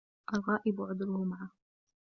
الغائب عُذْرُه معه